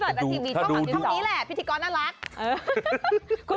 ถ้าตอนนี้มีช่องของช่องนี้แหละพิธีกรน่ารัก